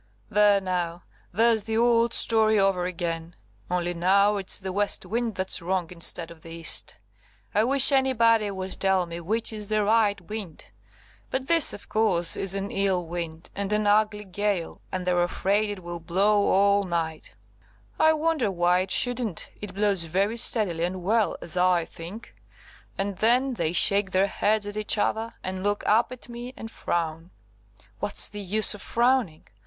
"There, now! There's the old story over again, only now it's the west wind that's wrong instead of the east! I wish anybody would tell me which is the right wind! But this, of course, is an ill wind, and an ugly gale, and they're afraid it will blow all night, (I wonder why it shouldn't, it blows very steadily and well, as I think,) and then they shake their heads at each other, and look up at me and frown. What's the use of frowning?